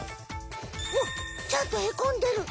おっ！ちゃんとへこんでる！